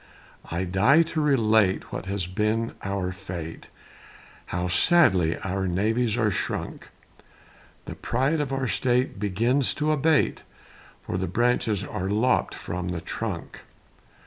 I die to relate What has been our fate, How sadly our navies are shrunk; The pride of our State Begins to abate, For the branches are lopp'd from the trunk.